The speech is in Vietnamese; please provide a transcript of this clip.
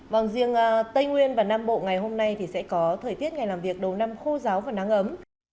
vâng riêng tây nguyên và nam bộ ngày hôm nay thì sẽ có thời tiết ngày làm việc đầu năm khô giáo và nắng ấm